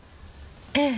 ええ。